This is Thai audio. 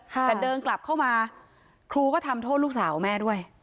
แต่เดินกลับเข้ามาครูก็ทำโทษลูกสาวแม่ด้วย